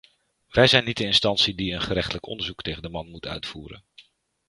Wij zijn niet de instantie die een gerechtelijk onderzoek tegen de man moet uitvoeren.